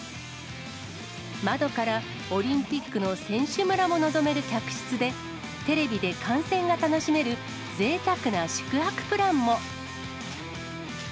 窓からオリンピックの選手村も望める客室で、テレビで観戦が楽しめるぜいたくな宿泊プランも。